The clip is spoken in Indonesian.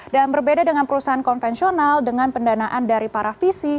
dan berbeda dengan perusahaan konvensional dengan pendanaan dari para visi